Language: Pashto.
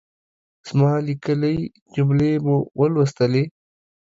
زما ليکلۍ جملې مو ولوستلې؟